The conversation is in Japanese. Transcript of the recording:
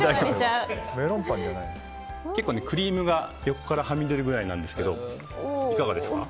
クリームが横からはみ出るぐらいなんですけどいかがですか？